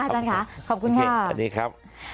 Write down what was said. สวัสดีครับ